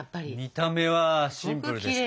見た目はシンプルですけど。